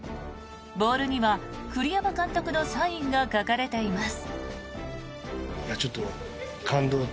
ボールには栗山監督のサインが書かれています。